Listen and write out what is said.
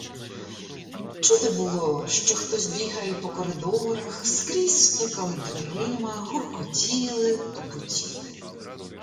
Чути було, що хтось бігає по коридорах, скрізь стукали дверима, гуркотіли, тупотіли.